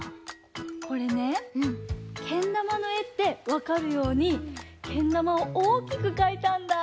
これねけんだまのえってわかるようにけんだまをおおきくかいたんだぁ！